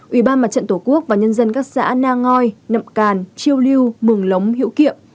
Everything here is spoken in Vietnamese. ủy ban mặt trận tổ quốc và nhân dân các xã na ngoi nậm càn chiêu lưu mường lống hữu kiệm